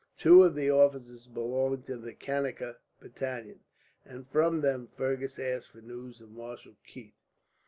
Two of the officers belonged to the Kannaker battalion, and from them Fergus asked for news of Marshal Keith.